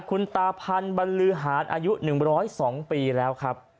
คุณตาพันธ์บรรลือหารอายุ๑๐๒ปีแล้วครับ